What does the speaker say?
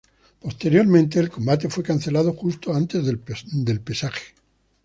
Posteriormente, el combate fue cancelado justo antes del pesaje.